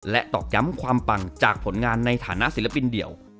ตอกย้ำความปังจากผลงานในฐานะศิลปินเดี่ยว